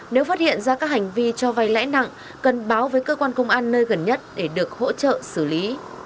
nếu phát hiện ra các hành vi cho vay lãi nặng cần báo với cơ quan công an nơi gần nhất để được hỗ trợ xử lý